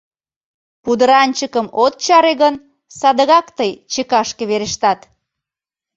Пудыранчыкым от чаре гын, садыгак тый Чекашке верештат.